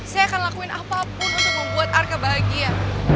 saya akan lakuin apapun untuk membuat arka bahagia